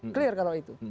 clear kalau itu